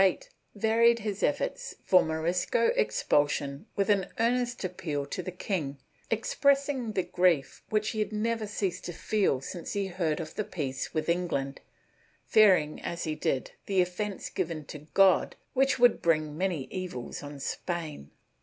Ill] FOREIGN HERETICS 465 Archbishop Ribera, in 1608, varied his efforts for Morisco expul sion with an earnest appeal to the king, expressing the grief which he had never ceased to feel since he heard of the peace with England, fearing, as he did, the offence given to God which would bring many evils on Spain.